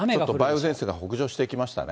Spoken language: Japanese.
梅雨前線が北上してきましたね。